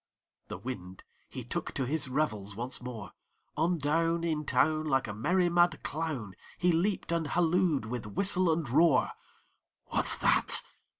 The Wind, he took to his revels once more; On down In town, Like a merry mad clown, He leaped and hallooed with whistle and roar, "What's that?"